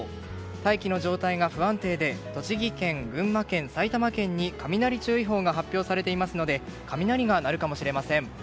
大気の状態が不安定で栃木県、群馬県、埼玉県に雷注意報が発表されていますので雷が鳴るかもしれません。